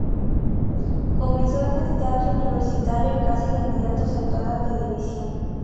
Comenzó en el Teatro Universitario y casi de inmediato saltó a la televisión.